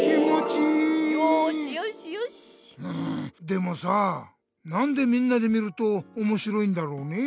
でもさぁなんでみんなで見るとおもしろいんだろうね？